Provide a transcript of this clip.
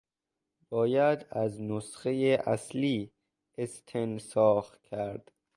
باید از نسخهٔ اصلی استنساخ کرد.